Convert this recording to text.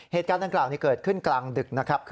เหตุการณ์ดังกล่าวนี้เกิดขึ้นกลางดึกนะครับ